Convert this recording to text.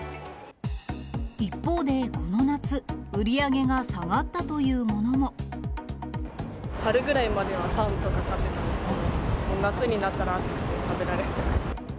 一方でこの夏、春ぐらいまではパンとか買ってたんですけど、夏になったら暑くて食べられなくて。